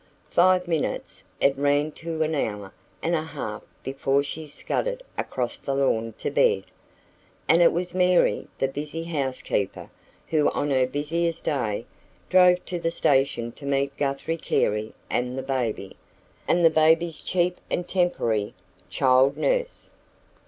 Five minutes! It ran to an hour and a half before she scudded across the lawn to bed. And it was Mary, the busy housekeeper, who, on her busiest day, drove to the station to meet Guthrie Carey and the baby, and the baby's cheap and temporary child nurse.